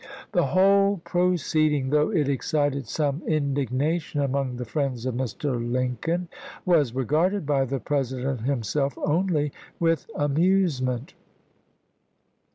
The whole proceeding, though it excited some indignation among the friends of Mr. Lincoln, was regarded by the President himself only with amuse ment.